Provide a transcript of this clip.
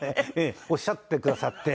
おっしゃってくださって。